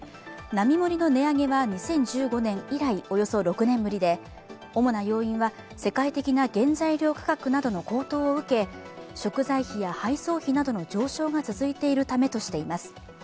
並盛の値上げは２０１５年以来、およそ６年ぶりで主な要因は、世界的な原材料価格などの高騰を受け食材費や配送費などの上昇が続いているためとしています。